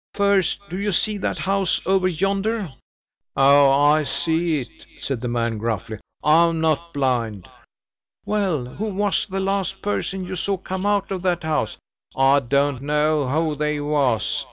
First, do you see that house over yonder?" "Oh! I see it!" said the man gruffly; "I am not blind!" "Well who was the last person you saw come out of that house?" "I don't know who they was!"